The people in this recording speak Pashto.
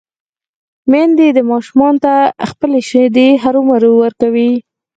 ميندې دې ماشومانو ته خپلې شېدې هرومرو ورکوي